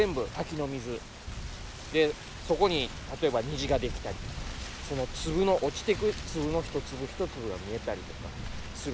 でそこに例えば虹ができたりとかその粒の落ちてくる粒の一粒一粒が見えたりとかするんですよね。